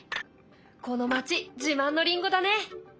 この町自慢のりんごだね。